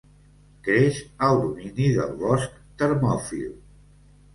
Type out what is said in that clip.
Creix al domini del bosc termòfil.